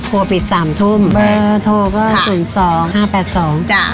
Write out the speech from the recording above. โทรปิดสามทุ่มโทรบ้านศูนย์สองห้าแปดสองจ้ะ